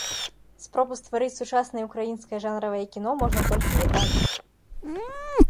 Спробу стварыць сучаснае ўкраінскае жанравае кіно можна толькі вітаць.